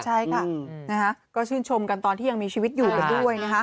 ใช่ค่ะก็ชื่นชมกันตอนที่ยังมีชีวิตอยู่กันด้วย